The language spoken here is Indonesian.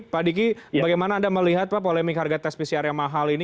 pak diki bagaimana anda melihat pak polemik harga tes pcr yang mahal ini